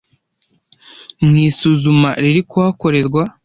mu isuzuma riri kuhakorerwa